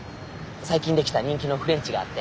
最近出来た人気のフレンチがあって。